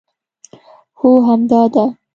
هو همدا ده